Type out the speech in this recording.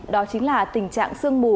đó chính là tình trạng sương mù